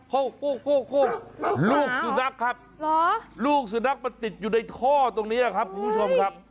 ลูกสุนัขครับลูกสุนัขมันติดอยู่ในท่อตรงนี้ครับคุณผู้ชมครับ